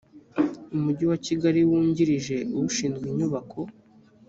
umujyi wa kigali wungirije ushinzwe unyubako